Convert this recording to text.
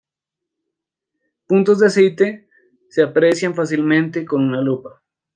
Puntos de aceite se aprecian fácilmente con una lupa.